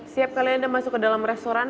setiap kali anda masuk ke dalam restoran